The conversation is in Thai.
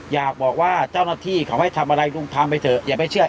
อยากบอกว่าเจ้าหน้าที่เขาให้ทำอะไรลุงทำไปเถอะอย่าไปเชื่อ